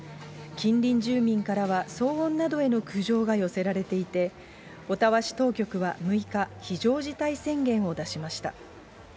近隣住民からは騒音などへの苦情が寄せられていて、オタワ市当局は６日、非常事態宣言を出しました。